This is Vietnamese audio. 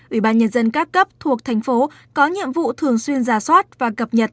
ủy ban nhân dân các cấp thuộc thành phố có nhiệm vụ thường xuyên ra soát và cập nhật